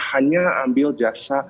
hanya ambil jasa keuangan yang ilegal